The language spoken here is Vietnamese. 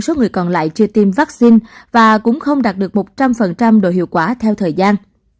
số người còn lại chưa tiêm vaccine và cũng không đạt được một trăm linh độ hiệu quả theo thời gian